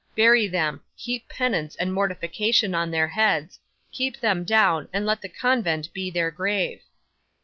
Bury them, heap penance and mortification on their heads, keep them down, and let the convent be their grave!"